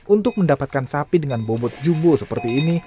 untuk mendapatkan sapi dengan bobot jumbo seperti ini